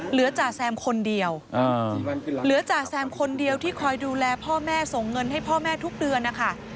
จ่าแซมคนเดียวเหลือจ่าแซมคนเดียวที่คอยดูแลพ่อแม่ส่งเงินให้พ่อแม่ทุกเดือนนะคะ